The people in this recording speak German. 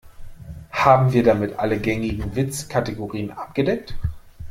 Haben wir damit alle gängigen Witzkategorien abgedeckt?